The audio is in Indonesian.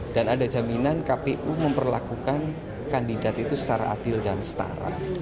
dan ada jaminan kpu memperlakukan kandidat itu secara adil dan setara